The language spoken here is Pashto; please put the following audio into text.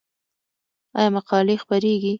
آیا مقالې خپریږي؟